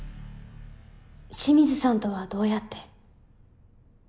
清水さんとはどうやって？